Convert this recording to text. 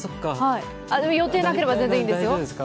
予定なければ全然大丈夫ですよ。